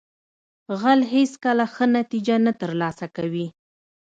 غل هیڅکله ښه نتیجه نه ترلاسه کوي